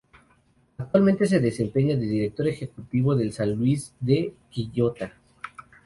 Actualmente se desempeña de Director Ejecutivo del San Luis de Quillota.